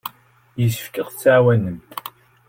Yessefk ad aɣ-tɛawnemt.